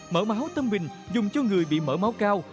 mỡ máu tâm bình dùng cho người bị mỡ máu cao